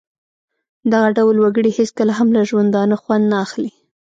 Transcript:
دغه ډول وګړي هېڅکله هم له ژوندانه خوند نه اخلي.